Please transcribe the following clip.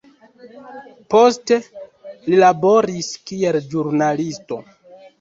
Poste li laboris kiel ĵurnalisto.